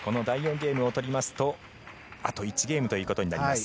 ゲームを取りますとあと１ゲームとなります。